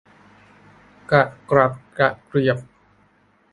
กระกรับกระเกรียบ